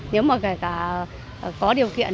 nếu mà có điều kiện